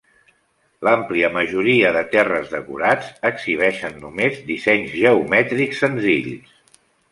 L'àmplia majoria de terres decorats exhibeixen només dissenys geomètrics senzills.